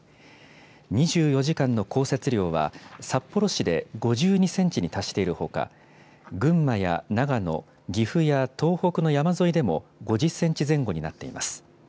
２４時間の降雪量は札幌市で５２センチに達しているほか、群馬や長野、岐阜や東北の山沿いでも、５０センチ前後になっています。